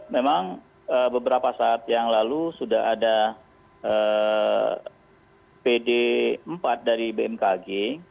memang beberapa saat yang lalu sudah ada pd empat dari bmkg